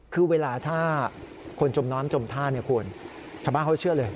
คือเวลาถ้าคนจมน้อนจมท่าเนี้ยคุณสำหรับเขาเชื่อเลย